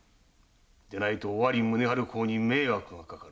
でないと尾張宗春公に迷惑がかかる。